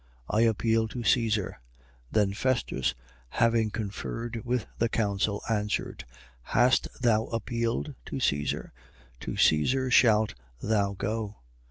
I appeal to Caesar. 25:12. Then Festus, having conferred with the council, answered: Hast thou appealed to Caesar? To Caesar shalt thou go.